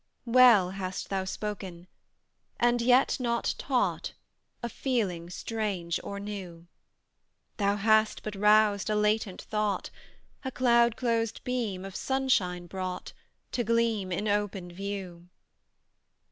Well hast thou spoken, and yet not taught A feeling strange or new; Thou hast but roused a latent thought, A cloud closed beam of sunshine brought To gleam in open view.